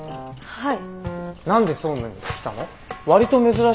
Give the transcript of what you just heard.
はい。